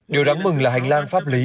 điều đáng mừng là hành lang pháp lý